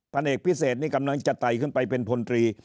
เอกพิเศษนี่กำลังจะไตขึ้นไปเป็นพลตรี